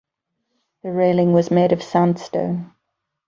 The railing was made of sandstone.